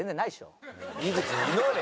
井口祈れ。